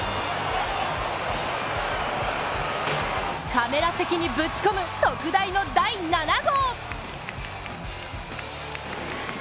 カメラ席にぶち込む特大の第７号。